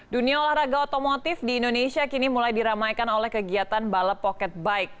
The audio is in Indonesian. dunia olahraga otomotif di indonesia kini mulai diramaikan oleh kegiatan balap pocket bike